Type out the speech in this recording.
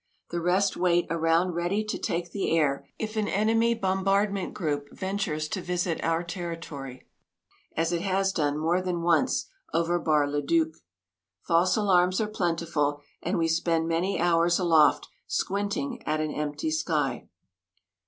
The rest wait around ready to take the air if an enemy bombardment group ventures to visit our territory as it has done more than once over Bar le Duc. False alarms are plentiful, and we spend many hours aloft squinting at an empty sky.